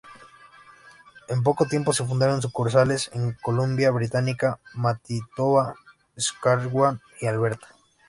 En poco tiempo se fundaron sucursales en Columbia Británica, Manitoba, Saskatchewan y Alberta.